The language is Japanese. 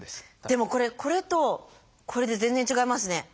でもこれこれとこれで全然違いますね。